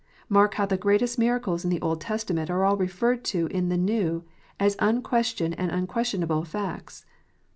Mark how the greatest miracles in the Old Testament are all referred to in the New, as unquestioned and unquestionable facts.